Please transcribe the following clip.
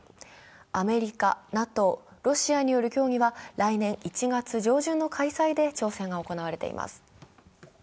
アメリカ、ＮＡＴＯ、ロシアによる協議は来年１月上旬の開催で調整が行われています。